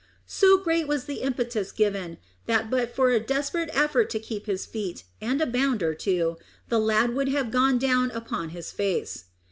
So great was the impetus given, that but for a desperate effort to keep his feet, and a bound or two, the lad would have gone down upon his face.